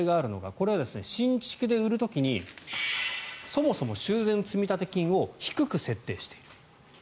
これは新築で売る時にそもそも修繕積立金を低く設定している。